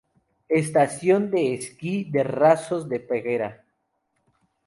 Estación de esquí de Rasos de Peguera.